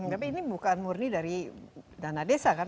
tapi ini bukan murni dari dana desa kan